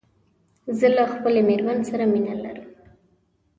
زه له خپلې ميرمن سره مينه لرم